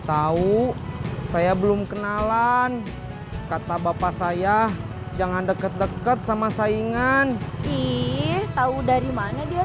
tahu saya belum kenalan kata bapak saya jangan dekat dekat sama saingan ih tahu dari mana dia